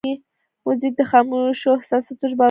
موزیک د خاموشو احساساتو ژباړونکی دی.